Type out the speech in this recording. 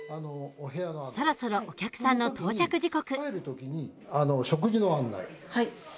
そろそろお客さんの到着時刻。